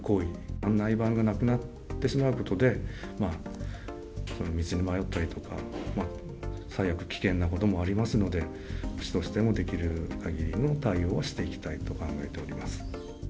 案内板がなくなってしまうことで、道に迷ったりとか、最悪、危険なこともありますので、市としてもできるかぎりの対応をしていきたいと考えております。